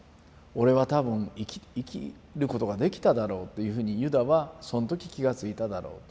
俺は多分生きることができただろうっていうふうにユダはその時気がついただろうと。